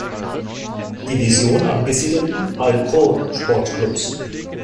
Division angesiedelten, Al-Khor Sports Club.